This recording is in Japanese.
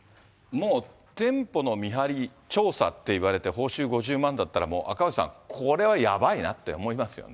もう店舗の見張り、調査って言われて、報酬５０万だったら、赤星さん、これはやばいなって思いますよね。